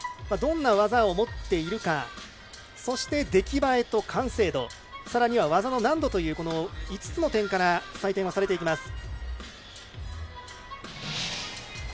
どんな技を持っているかそして、出来栄えと完成度さらには技の難度という５つの点から採点はされていきます。